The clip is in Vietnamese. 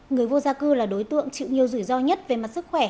người vô gia cư là đối tượng chịu nhiều rủi ro nhất về mặt sức khỏe